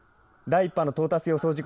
第１波の到達予想